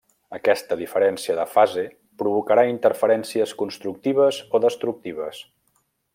Aquesta diferència de fase provocarà interferències constructives o destructives.